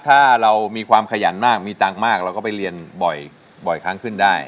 ถ้าเรามีความขยันมากมีตังค์มากเราก็ไปเรียนบ่อยครั้งขึ้นได้